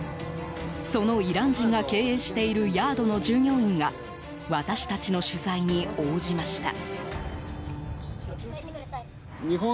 そのイラン人が経営しているヤードの従業員が私たちの取材に応じました。